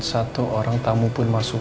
satu orang tamu pun masuk